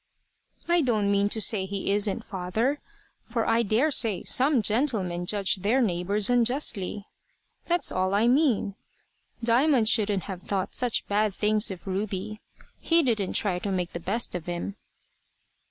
"I don't mean to say he isn't, father; for I daresay some gentlemen judge their neighbours unjustly. That's all I mean. Diamond shouldn't have thought such bad things of Ruby. He didn't try to make the best of him."